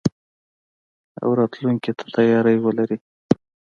او راتلونکي ته تياری ولري.